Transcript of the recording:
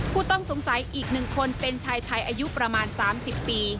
ผู้ต้องสงสัยอีก๑คนเป็นชายไทยอายุประมาณ๓๐ปี